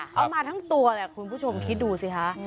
เขามาทั้งตัวคุณผู้ชมคิดดูซิฮะ